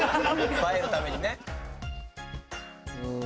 映えるためにね。